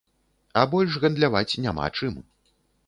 А больш гандляваць няма чым.